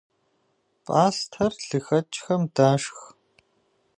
Пӏастэр лыхэкӏхэм дашх.